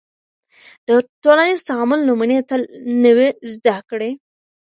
د ټولنیز تعامل نمونې تل نوې زده کړې